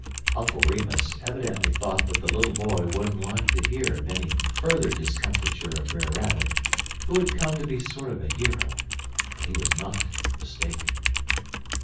Uncle Remus evidently thought that the little boy wouldn't like to hear of any further discomfiture of Brer Rabbit, who had come to be a sort of hero, and he was not mistaken.